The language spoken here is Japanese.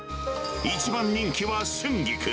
一番人気は春菊。